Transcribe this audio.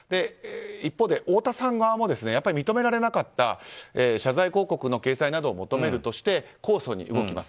一方、太田さん側も認められなかった謝罪広告の掲載などを求めるとして控訴に動きます。